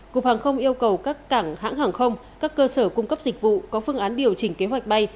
cục hàng không yêu cầu các cảng hãng hàng không các cơ sở cung cấp dịch vụ có phương án điều chỉnh kế hoạch bay